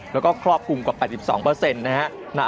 แล้วก็ครอบคลุมกว่า๘๒นะฮะ